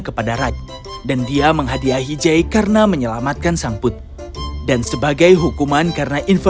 kepada raja dan dia menghadiahi j karena menyelamatkan sang putri dan sebagai hukuman